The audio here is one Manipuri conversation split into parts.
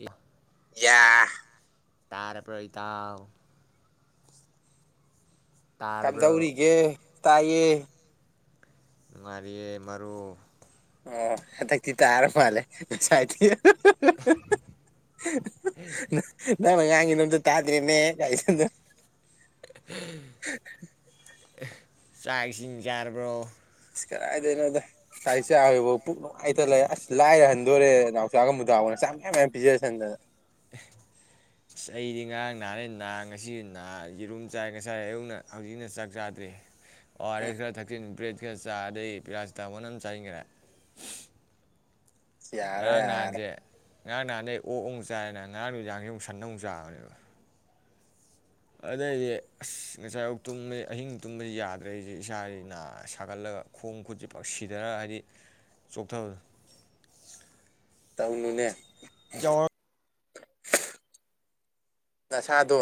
ꯏ ꯌꯥ ꯇꯔꯕ꯭ꯔ ꯏꯇꯥꯥꯎ ꯀꯝꯗꯧꯔꯤꯒꯦ ꯇꯥꯏꯌꯦ ꯅꯨꯉꯥꯏꯔꯤꯌꯦ ꯃꯔꯨꯞ ꯑꯣ ꯍꯇ ꯇ ꯑꯔ ꯃꯥꯂꯦ ꯅꯪꯅ ꯉꯥꯡꯒꯤꯗꯣ ꯑꯝꯇ ꯇꯥꯗ꯭ꯔꯦꯅꯦ ꯀꯥꯏ ꯍꯥꯏꯖꯜꯗꯅ [unintelligible] ꯆꯥꯛ ꯏꯁꯤꯡ ꯆꯥꯔꯕ꯭ꯔꯣ ꯀꯔꯥꯏꯗꯩꯅꯣꯗ [unintelligible] ꯂꯥꯏꯊ ꯂꯩꯑ ꯑꯁ ꯂꯥꯏꯔꯦ ꯍꯟꯗꯣꯔꯦ ꯅꯥꯎꯆꯥꯒ ꯃꯨꯗꯥꯕꯅ ꯆꯥꯛ ꯃꯌꯥꯝ ꯃꯌꯥꯝ ꯄꯤꯖꯔꯁꯟꯗꯅ ꯑꯁ ꯑꯩꯗꯤ ꯉꯔꯥꯡ ꯅꯍꯥꯟꯔꯦ ꯅꯥ ꯉꯁꯤ ꯌꯦꯔꯨꯝ ꯆꯥꯏ ꯉꯁꯥꯏ ꯑꯌꯨꯛꯅ ꯍꯧꯖꯤꯛꯅ ꯆꯥꯛ ꯆꯥꯗ꯭ꯔꯤ [unintelligible] ꯑꯣ ꯑꯥꯔ ꯑꯦꯖ ꯈꯔ ꯊꯛꯆꯤꯟ ꯕ꯭ꯔꯦꯠ ꯈꯔ ꯆꯥ ꯑꯗꯩ ꯄꯦꯔꯥꯁꯤꯇꯥꯃꯣꯟ ꯑꯗꯨꯝ ꯆꯥꯁꯤꯟꯈꯔꯦ ꯌꯥꯔꯔꯣꯏ ꯉꯔꯥꯡ ꯌꯥꯔꯔꯣꯏ ꯅꯍꯥꯟꯁꯦ ꯉꯔꯥꯡ ꯅꯍꯥꯟꯁꯩ ꯑꯣꯛ ꯑꯃꯨꯛ ꯆꯥꯏꯌꯦꯅ ꯉꯔꯥꯡ ꯅꯨꯃꯤꯗꯤꯡ ꯁꯟꯅ ꯑꯃꯨꯛ ꯆꯥꯕꯅꯦꯕ ꯑꯗꯩꯗꯤ ꯑꯁ ꯉꯁꯥꯏꯑꯌꯨꯛ ꯇꯨꯝꯃꯦ ꯑꯍꯤꯡ ꯇꯨꯝꯕ ꯌꯥꯗ꯭ꯔꯦ ꯑꯩ ꯏꯁꯥꯁꯦ ꯁꯥꯒꯠꯂꯒ ꯈꯣꯡ ꯈꯨꯠꯁꯤ ꯄꯛꯁꯤꯗꯅ ꯍꯥꯏꯗꯤ ꯆꯣꯛꯊꯕ ꯇꯥꯎꯅꯨꯅꯦ ꯌꯥꯎꯔꯛ ꯅꯁꯥꯗꯣ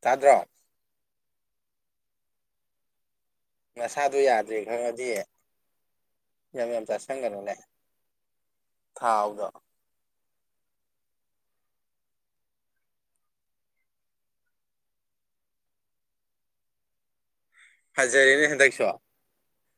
ꯇꯥꯗ꯭ꯔꯣ ꯅꯁꯥꯗꯣ ꯌꯥꯗ꯭ꯔꯦ ꯈꯪꯉꯗꯤ ꯌꯥꯝ ꯌꯥꯝ ꯆꯥꯁꯟꯒꯅꯨ ꯅꯦ ꯊꯥꯎꯗ ꯐꯖꯔꯦꯅꯦ ꯍꯦꯟꯗꯛꯁꯨ